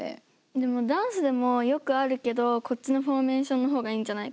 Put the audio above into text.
でもダンスでもよくあるけどこっちのフォーメーションの方がいいんじゃないかとか。